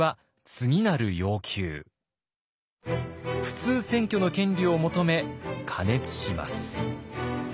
普通選挙の権利を求め過熱します。